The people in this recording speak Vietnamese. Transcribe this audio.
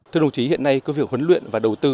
thưa đồng chí hiện nay cơ việc huấn luyện và đầu tư